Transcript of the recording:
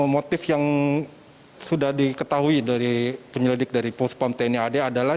motif yang sudah diketahui dari penyelidik dari puspam tni ad adalah